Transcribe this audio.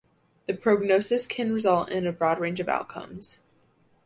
The prognosis can result in broad range of outcomes.